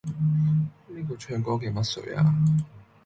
呢個唱歌嘅乜水呀？